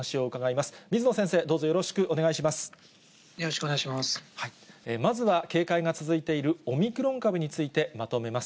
まずは警戒が続いているオミクロン株についてまとめます。